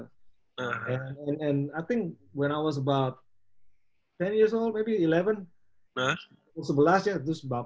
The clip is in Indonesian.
dan saya pikir saat saya sekitar sepuluh tahun mungkin sebelas tahun